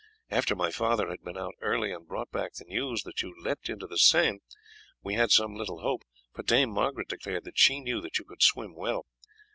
After my father had been out early and brought back the news that you had leapt into the Seine we had some little hope, for Dame Margaret declared that she knew that you could swim well.